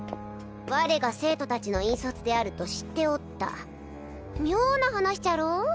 我が生徒達の引率であると知っておった妙な話じゃろう？